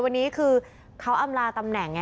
วันนี้ก็เอาอำลาตำแหน่ง